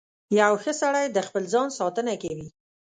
• یو ښه سړی د خپل ځان ساتنه کوي.